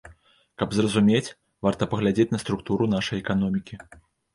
Каб зразумець, варта паглядзець на структуру нашай эканомікі.